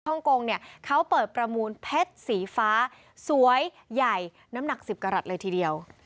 งกงเนี่ยเขาเปิดประมูลเพชรสีฟ้าสวยใหญ่น้ำหนัก๑๐กรัฐเลยทีเดียว